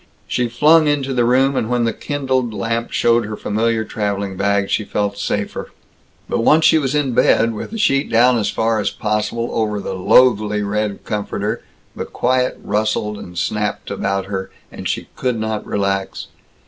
She flung into the room, and when the kindled lamp showed her familiar traveling bag, she felt safer. But once she was in bed, with the sheet down as far as possible over the loathly red comforter, the quiet rustled and snapped about her, and she could not relax.